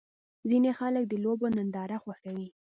ځینې خلک د لوبو نندارې خوښوي.